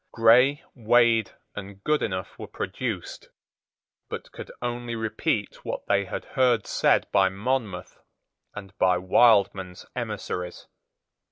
Grey, Wade, and Goodenough were produced, but could only repeat what they had heard said by Monmouth and by Wildman's emissaries.